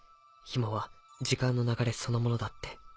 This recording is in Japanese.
紐は時間の流れそのものだって。